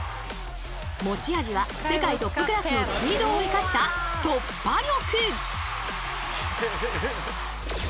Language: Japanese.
持ち味は世界トップクラスのスピードを生かした突破力！